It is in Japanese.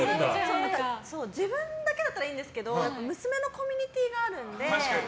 自分だけだったらいいんですけど娘のコミュニティーがあるので。